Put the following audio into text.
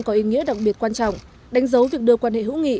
có ý nghĩa đặc biệt quan trọng đánh dấu việc đưa quan hệ hữu nghị